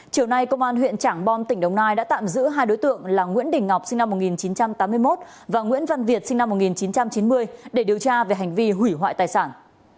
chiều nay công an huyện trảng bom tỉnh đồng nai đã tạm giữ hai đối tượng là nguyễn đình ngọc sinh năm một nghìn chín trăm tám mươi một và nguyễn văn việt sinh năm một nghìn chín trăm chín mươi để điều tra về hành vi hủy hoại tài sản